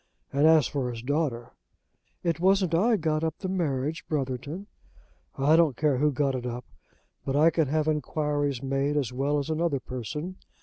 And as for his daughter " "It wasn't I got up the marriage, Brotherton." "I don't care who got it up. But I can have enquiries made as well as another person.